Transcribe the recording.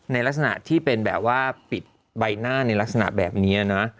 ในลักษณะที่เป็นแบบว่าปิดใบหน้าในลักษณะแบบนี้นะ